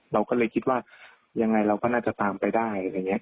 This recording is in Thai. เราก็เลยคิดว่ายังไงเราก็น่าจะตามไปได้